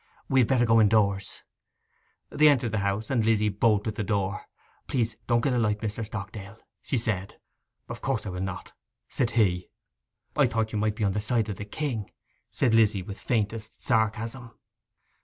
We had better go indoors.' They entered the house, and Lizzy bolted the door. 'Please don't get a light, Mr. Stockdale,' she said. 'Of course I will not,' said he. 'I thought you might be on the side of the king,' said Lizzy, with faintest sarcasm.